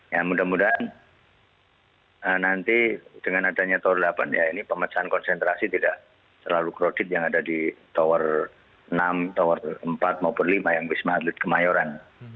ya mudah mudahan nanti dengan adanya tower delapan ya ini pemecahan konsentrasi tidak selalu krodit yang ada di tower enam tower empat maupun lima yang wisma atlet kemayoran